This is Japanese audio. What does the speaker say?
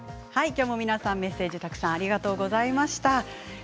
きょうも皆さんメッセージたくさんありがとうございました。